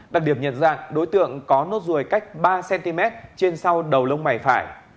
đặc điểm nhận ra đối tượng có nốt ruồi cách ba cm trên sau đầu lông mày phải